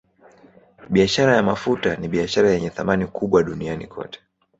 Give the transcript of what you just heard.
Biashara ya mafuta ni biashara yenye thamani kubwa duniani kote